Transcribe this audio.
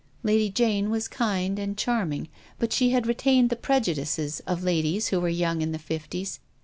Lady Jane was kind and charming, but she had retained the preju dices of ladies who were young in the fifties.